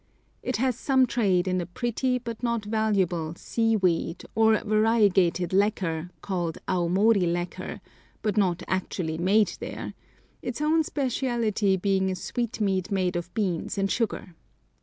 It has some trade in a pretty but not valuable "seaweed," or variegated lacquer, called Aomori lacquer, but not actually made there, its own speciality being a sweetmeat made of beans and sugar.